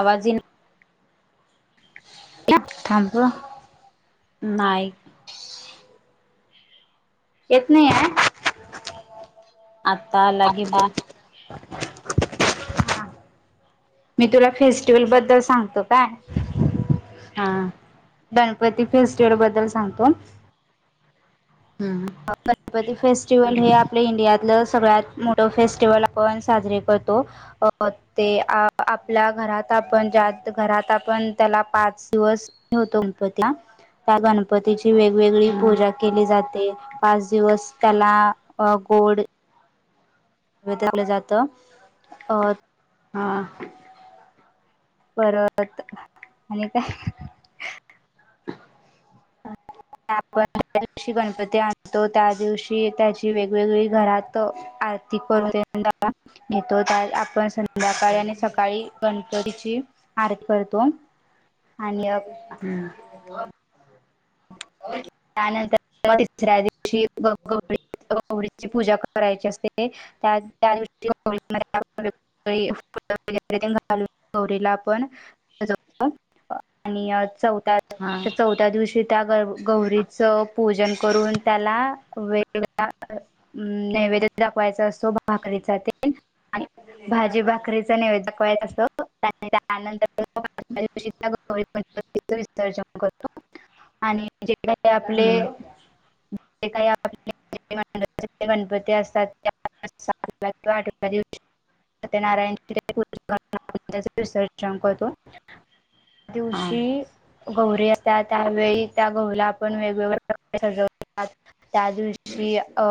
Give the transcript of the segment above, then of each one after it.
आवाज ही थांब ह नाई येत नाही आहे आता आला की बोल [unintelligible] मी तुला फेस्टिवल बद्दल सांगतो काय हा गणपती फेस्टिवल बद्दल सांगतो. हम्म. गणपती फेस्टिवल हे आपल्या इंडियातलं सगळ्यात मोठं फेस्टिवल आपण साजरे करतो. अ ते आपल्या घरात आपण जास्त घरात आपण त्याला पाच दिवस ठेवतो गणपतीला त्या गणपतीची वेगवेगळी हम्म पूजा केली जाते. पाच दिवस त्याला गोड लं जात अ हा परत आणि काय [unintelligible] आपण ज्या दिवशी गणपती आणतो त्या दिवशी त्याची वेगवेगळी घरात आरती करू [inaudible] येतो आपण संध्याकाळी आणि सकाळी गणपतीची आरती करतो आणि ह. हो. त्यानंतर तिसऱ्या दिवशी ग ग गवळीची पूजा करायची असते. त्या त्या दिव. [unintelligible] आणि चौथ हा चौथ्या दिवशी. त्या ग गौरीचं पूजन करून त्याला वेगळळा. अम नैवेद दाखवायचा असतो भाकरीचा तेल आणि. भाजी भाकरीच नैवेद्य कयसं. त्यानंतरौरी पती विसर्जन करतो. आणि जे काही आपले हम्म जे काही आपले. गणपती असतात त्यािवा आठ. सत्यनारायण विसर्जन करतो. हा दिवशी गौरी असत. त्यावेळी त्या गहूला आपण वेगवेगळ्या प्रकारे सजवतात. त्या दिवशी अ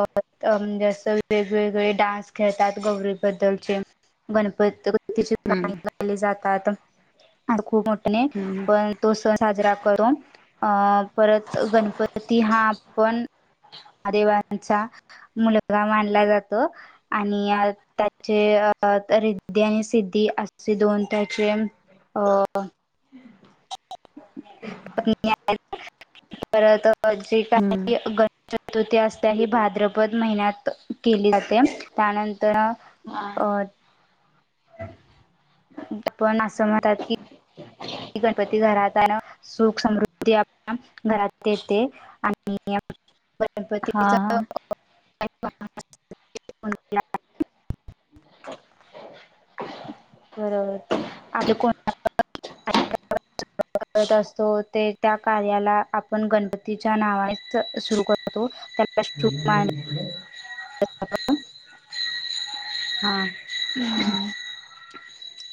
म्हणजे असं वेगवेगळे डान्स खेळतात गौरीबद्दलचे. गणपततीची हम्म गाणी गाली जातात खूप मोठ्या न हम्म आपण. तो सण साजरा करो अ परत गणपती हा आपण. महादेवांचा मुलगा मानला जातो आणि. त्याचे अ रिद्धी आणि सिद्धी असे दोन त्याचे अं. पत्नी परत जे हम्म काही. चतुर्थी असता ही भाद्रपद महिन्यात केली जाते त्यानंतर. हा अ पण असं म्हणतात की. गणपती घरात आणि सुख समृद्धी आपल्या घरात येते आणि. गणपतीचा. हा [unintelligible] बरोबर आपता कोण. करत असतो ते त्या कार्याला आपण गणपतीच्या नावानेच सुरू करतो. त्याू मांड. [unintelligible] हां. हम्.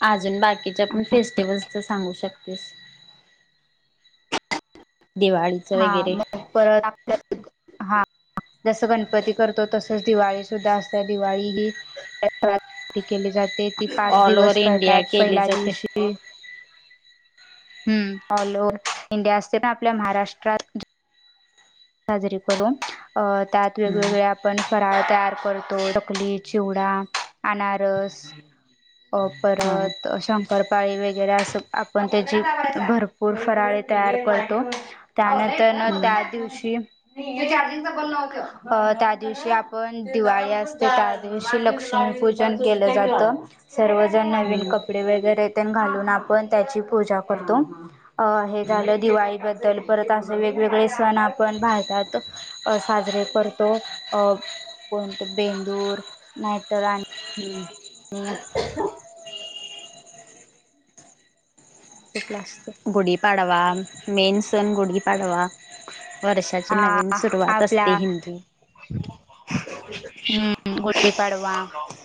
अजून बाकीच्या पण फेस्टिवल्स तर सांगू शकतेस. दिवाळी. हा मग परत आपल्या हा. जसं गणपती करतो तसच दिवाळी सुद्धा असत दिवाळी ही. केली जाते ती पाच ऑल ओव्हर दिवस इंडिया करतात केली पहिल्या जाते दिवशी. हम् ऑल ओव्ह इंडिया असते ना आपल्या महाराष्ट्रात. साजरी करून अ त्यात हम्म वेगवेगळे्या आपण फराळ तयार करतो कली चिवडा. अनारस. अ हा परत शंकरपाळी वगैरे असं आपण त्याची भर. पूर फराळे तयार करतो त्यानंतर न हम्म त्या दिवशी. [unintelligible] त्या दिवशी आपण दिवाळी असते त्या. दिवशी लक्ष्मीपूजन केलं जातं. सर्वजण नवीन हम्म कपडे वगैरे ते घालून आपण त्याची पूजा करतो. अ हे हम्म झालं दिवाळीबद्दल परत असे वेगवेगळे सण आपण भारतात. अ साजरे करतो अ कोणते बेंदूर नाहीतर आणि. [unintelligible] हम्. [unintelligible] गुढीपाडवा मेन सण गुढीपाडवा वर्षाची नवीन हा सुरुवात आपला असते हिंदी हम्म गुडी पाडवा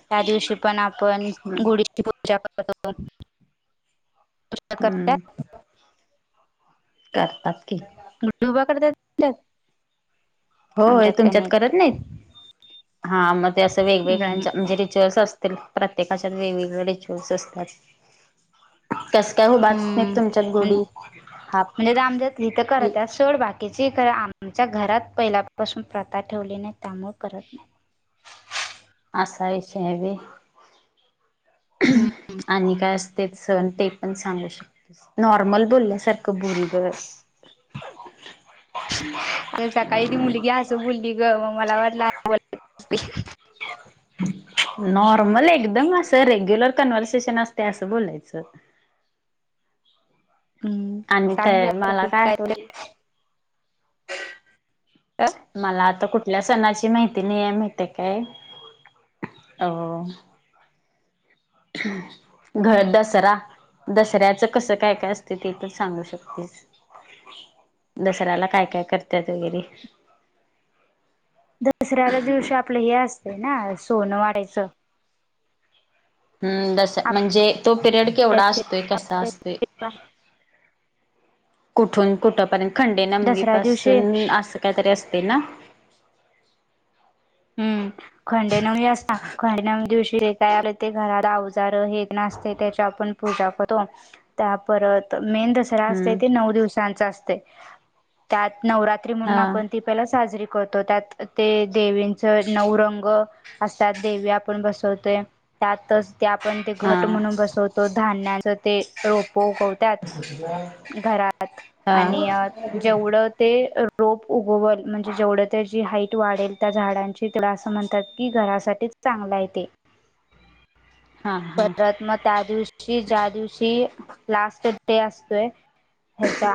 त्या दिवशी पण आपण हम्म गुढीची पूजा करतो तुम्ही करताय? हम्म करतात डुबा करतात हो आमच्यात काही तुमच्यात करत नाही हा मग ते असं हम्म वेगवेगळ्यांच म्हणजे रिच्युअल्स असं तर प्रत्येकाच्यात वेगवेगळे रे शूस असतात. कसं काय उभारत हम्म नाही तुमच्यात म्हण- गुडी हा म्हणजे तर आमच्यात इथं करतात सोड बाकीची क आमच्या घरात पहिल्यापासून प्रथा ठेवली नाही त्यामुळे करत नाही. असा विषय आहे बी आणि काय असते सण ते पण सांगू शकतो नॉर्मल बोलल्यासारखं बोल गं [unintelligible] आ सकाळी ती मुलगी असं बोलली ग मग मला वाटलं बोलली नॉर्मल एकदम असं रेग्युलर कन्व्हर्सेशन असते असं बोलायचं हम्म आणि ते सांग बी आता मला तू काय आठवत तर मला आता कुठल्या सणाची माहिती नाही आहे माहती काय हो घर दसरा दसऱ्याचं कसं काय काय असत ते तर सांगू शकतेस दसऱ्याला काय काय करतात वगैरे दसऱ्याया दिवशी आपलं हे असते ना सोनं वाटायचं हम्म जसं म्हणजे तो पिरियड केवढा आपट्याचे असतोय कसा असतोय? आपट्याचे कुठून कुठ पर्यंत खंडे नमवी दसऱ्या दिवशी पासून असं काय तरी असते ना? हम्म खंडेनवी असता खंडेनवी दिवशी काय आलं ते घरात अवजार हे असते त्याच्या आपण पूजा करतो त्या परत मेन दसरा हम्म. नऊ दिवसां असते त्या नवरात म्हणून हा आप साजरी करतो त्यात ते दे नऊ रंग असत देवी आपण बसवतोय त्यातच ते आपण ते घट हा म्हणून बसवतो धान्याच ते रोपोतो त्याच घरात हा आणि जेवढं ते रोप उगवल म्हणजे जेवढं तर जी हाईट वाढेल त्या झाडांची तुला असं म्हणतात की घरासाठीच चांगला आहे ते हा हा परत मग त्या दिवशी दिवशी ज्या दिवशी लास्ट डे असतोय हयाचा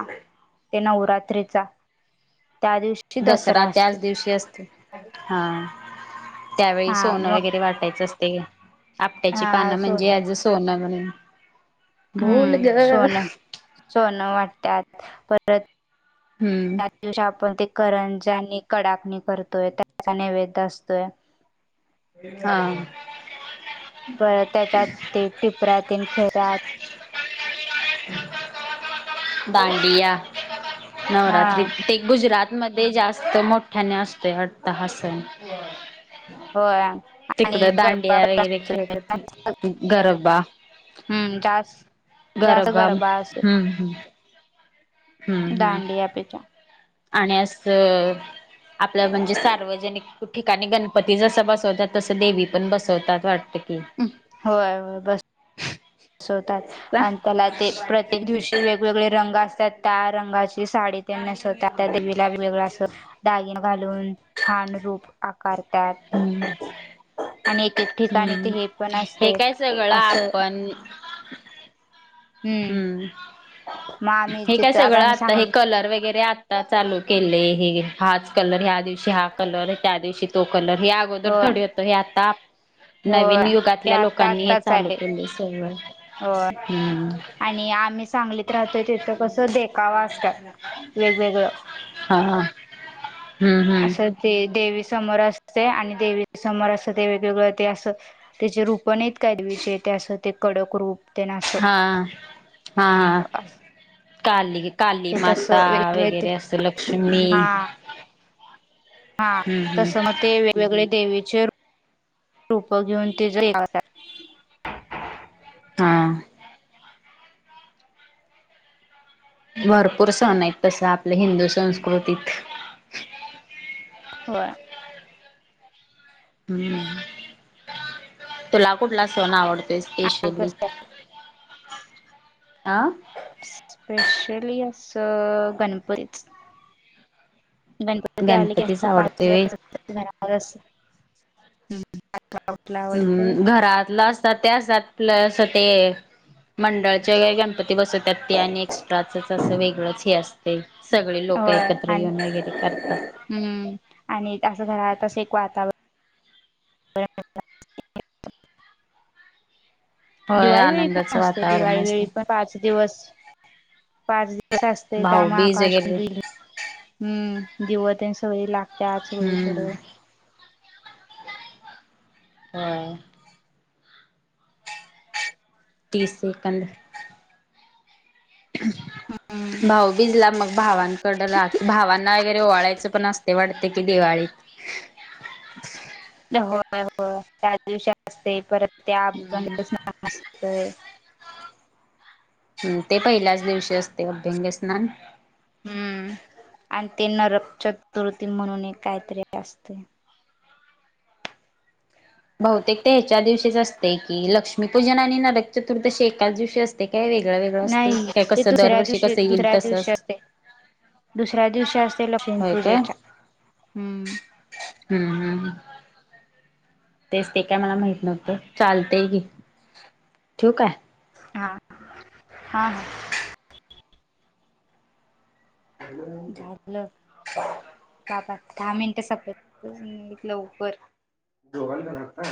ते नवरात्रीचा त्या दिवशी दसरा त्याच दिवशी असते. हा त्यावेळी हा सोनं मग वगैरे वाटायचं असते का? आपट्याची हा पानं सो म्हणजे आज सोनं म्हणून बोल हम्म ग सोनं सोनं वाटतात परत हम्म दिवशी आपण ते करंजानी कडाकणी करतोय त्याचा नैवेद्य असतोय हा बर त्याच्यात ते टिपऱ्यातील खेळतात. दांडिया नवरात्री हा ते गुजरातमध्ये जास्त मोठ्याने असतो वाटतं हा सण हो होय तिकडं गरबा दांडिया वगैरे खेळत गरबा हम्म जास्त जास्त गरोगम गरबा हम्म हम्म हम्म हम्म दांडीियापेच्या आणि असं आपलं म्हणजे सार्वजनिक ठिकाणी गणपती जस बसवतात तसं देवी पण बसवतात वाटत की होयय बस बसवतात आणि त्याला ते प्र प्रत्येक दिवशी वेगवेगळे रंग असतात त्या रंगाची साडी त्यांना नसवतात त्या देवीला वेगवेगळ्या अस डागिण घालून छान रूप आकारतात हम्म आणि एक ठिकाणी ते हम्म हे पण हे असते काय सगळं असं आपण हम्म मग आम्ही हे काय जिथं सगळं आम्ही आता हे सांगलीच कलर वगैरे आता चालू केले हे हाच कलर ह्या दिवशी हा कलर त्या दिवशी तो कलर हे अगोदर होय थोडी होतो हे आता होय नवीन ते युगातल्या आत्ता लोकांनी हे चालू केले सग हो आणि आम्ही सांगलीत राहतोय तिथं कसं देखावां असत वेगवेगळं हा हम्म हम्म असं ते देवी समोर असते आणि देवी समोर असं ते वेगवेगळ ते असं त्याचे रूपनेेत कायदवीचे ते असं ते कडक रूप तेन असं हा हा हा काली क ते कालीमाता तसं वेगवेगळे ते वगैरे असं लक्ष्मी हा हम्म हम्म तस मग ते वेगवेगळे देवीचे रूप घेऊन ते हा भरपूर सण आहेत तस आपल्या हिंदू संस्कृतीत हो हम्म तुला कुठला सोन आवडतो एपेशली आ स्पेशली असं गणपतीच गणपती ते आलं की गणपतीच असं पा आवडतोय घरावर अस हम् घरातलं असतात ते असतात प्लस ते मंडळाचे व गणपती ते बसतात ते आणि एक्स्ट्राचच असं वेगळंच हे असतं ते सगळे लोक होय एकत्र आणि येऊन वगैरे करतात हम्म आणि असं घरातालं तसं एक वातावरण होय दिवाळी वेळी पण आनंदाचं असते वातावरण दिवाळी वेळी असते पण पाच दिवस पाच दिव त असते त्यामा भाऊबीज आकाश वगैरे दिल हम्म दिवते सय लागत आ सोळीकड हम्म हा तीस सेकड हम्म भाऊ भिजला मग भावां कड राह भावांना वगैरे ओळायचं पण असते वाटते कि दिवाळीत होय होय त्याच दिवशी असते परत ते अज दिवसत ह ते पहिल्याच दिवशी असते अभ्यंगस्नान हम्म आणि ते नरक चतुर्थी म्हणून एक काहीतरी असते बहुतेक ते ह्याच्या दिवशीच असते की लक्ष्मीपूजन आणि नरक चतुर्थशी एकाच दिवशी असते ते काय वेगळा वेगळं असते नाही काय ते कसं दुसऱ्या दरवर्षी दिवशी कसं येईल दुसऱ्या तसं दिवशी असते दुसऱ्या दिवशी असते लक्ष्मी पूजेच्या हम्म हम्म हम तेच ते काय मला माहित नव्हतं चालतय की ठेऊ आय हा हा हा हॅलो झालं. [unintelligible] आता दहा मिनिटं [unintelligible] निग लवकर